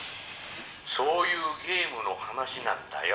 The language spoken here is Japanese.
「そういうゲームの話なんだよ。